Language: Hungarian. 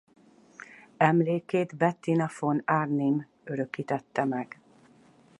Emlékét Bettina von Arnim örökítette meg.